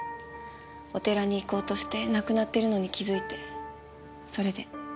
お寺に行こうとしてなくなってるのに気づいてそれで。